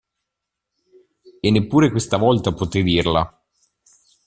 E neppure questa volta potè dirla.